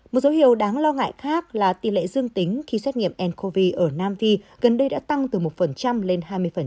một dấu hiệu đáng lo ngại khác là tỷ lệ dương tính khi xét nghiệm ncov ở nam phi gần đây đã tăng từ một lên hai mươi